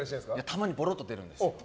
たまにボロッと出るんです。